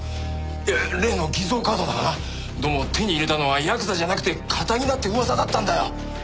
いや例の偽造カードだがなどうも手に入れたのはヤクザじゃなくてカタギだって噂だったんだよ。